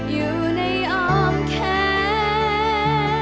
อยู่ในอ้อมแขน